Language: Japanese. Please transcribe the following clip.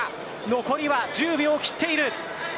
残り１０秒を切っている。